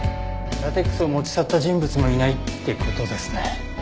ラテックスを持ち去った人物もいないって事ですね。